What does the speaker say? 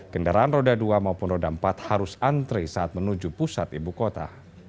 kendaraan roda dua maupun roda empat harus antri saat menuju pusat ibu kota